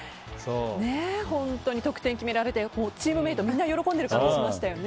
得点決められてチームメートがみんな喜んでる感じがしましたよね。